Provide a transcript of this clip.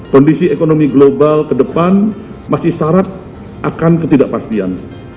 kondisi ekonomi global ke depan masih syarat akan ketidakpastian